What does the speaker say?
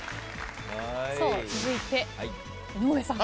さあ続いて井上さん。